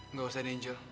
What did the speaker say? nggak usah angel